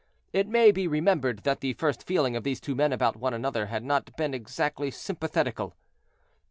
It may be remembered that the first feeling of these two men about one another had not been exactly sympathetical.